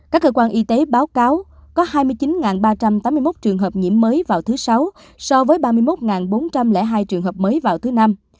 các cơ quan y tế báo cáo có hai mươi chín ba trăm tám mươi một trường hợp nhiễm mới vào thứ sáu so với ba mươi một bốn trăm linh hai trường hợp mới vào thứ năm